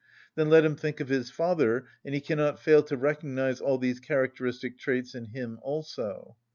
Then let him think of his father, and he cannot fail to recognise all these characteristic traits in him also.